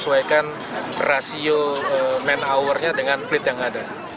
kita harus menyesuaikan rasio man hournya dengan fleet yang ada